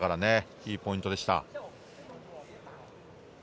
いいポイントでした。